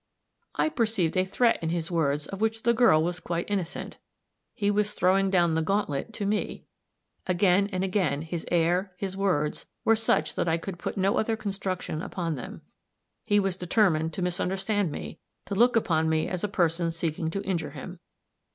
I perceived a threat in his words of which the girl was quite innocent; he was throwing down the gauntlet to me; again and again his air, his words, were such that I could put no other construction upon them. He was determined to misunderstand me to look upon me as a person seeking to injure him.